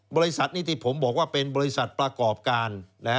บริษัทนี้ที่ผมบอกว่าเป็นบริษัทประกอบการ